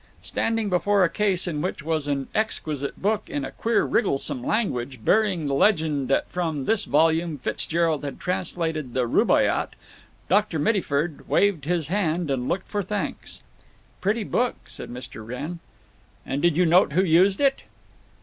Standing before a case in which was an exquisite book in a queer wrigglesome language, bearing the legend that from this volume Fitzgerald had translated the Rubaiyat, Dr. Mittyford waved his hand and looked for thanks. "Pretty book," said Mr. Wrenn. "And did you note who used it?"